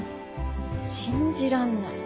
信じらんない。